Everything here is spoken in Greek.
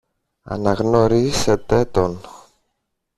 αναγνωρίσετε τον